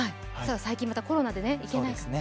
最近またコロナで行けないから。